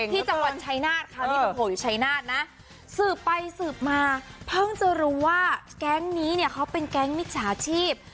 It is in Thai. ที่จังหวัดชายนาฏคราวนี้โอ้โหอยู่ชายนาฏนะสืบไปสืบมาเพิ่งจะรู้ว่าแก๊งนี้เนี่ยเขาเป็นแก๊งมิจฉาชีพ